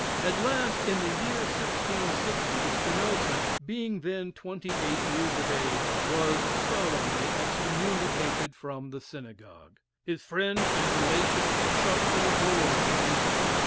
At last, in the year 1660, Spinoza, being then twenty eight years of age, was solemnly excommunicated from the synagogue. His friends and relations shut their doors against him.